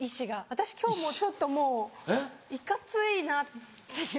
私今日もちょっともういかついなっていう。